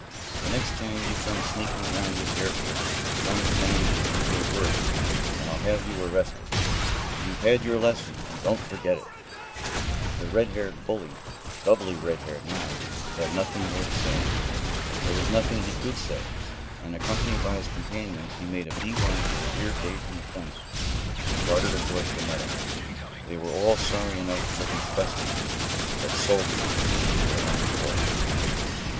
"The next time you come sneaking around this airship, trying to damage it, you'll get worse, and I'll have you arrested. You've had your lesson, and don't forget it." The red haired bully, doubly red haired now, had nothing more to say. There was nothing he could say, and, accompanied by his companions, he made a bee line for the rear gate in the fence, and darted across the meadow. They were all sorry enough looking specimens, but solely through their own fault.